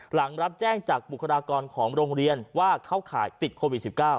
หลังรับแจ้งจากบุคลากรของโรงเรียนว่าเข้าข่ายติดโควิด๑๙